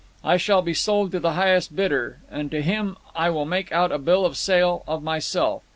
I shall be sold to the highest bidder, and to him I will make out a bill of sale of myself.